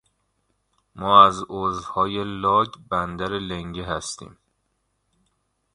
ما از عضوهای لاگ بندر لِنگِه هستیم.